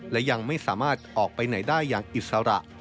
และยังไม่สามารถออกไปไหนได้อย่างอิสระ